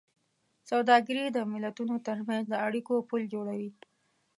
سوداګري د ملتونو ترمنځ د اړیکو پُل جوړوي.